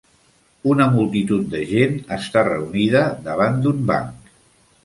Una multitud de gent està reunida davant d'un banc.